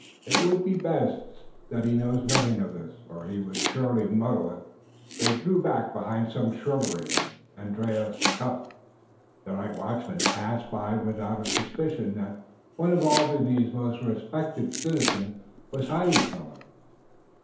It would be best that he know nothing of this, or he would surely muddle it." They drew back behind some shrubbery, and Andrius Tefft, night watchman, passed by without a suspicion that one of Albany's most respected citizens was hiding from him.